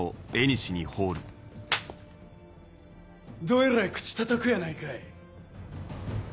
どえらい口たたくやないかい。